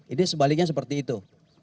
ini sebaliknya seperti itu